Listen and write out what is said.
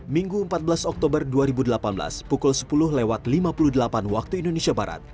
minggu empat belas oktober dua ribu delapan belas pukul sepuluh lewat lima puluh delapan waktu indonesia barat